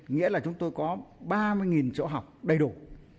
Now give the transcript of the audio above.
nghĩa là chúng tôi có ba mươi chỗ học đầy đủ